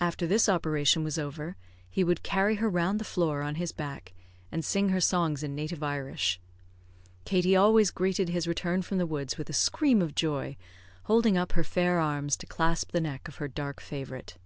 After this operation was over, he would carry her round the floor on his back, and sing her songs in native Irish. Katie always greeted his return from the woods with a scream of joy, holding up her fair arms to clasp the neck of her dark favourite.